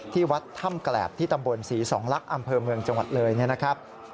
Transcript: ที่วัดถ้ำแกรบที่ตำบลศรีสองลักษณ์อำเภอเมืองจังหวัดเลยนะครับ